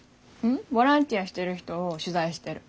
ボランティアしてる人を取材してる。